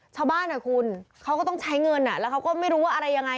ชาวบ้านอ่ะคุณเขาก็ต้องใช้เงินแล้วเขาก็ไม่รู้ว่าอะไรยังไง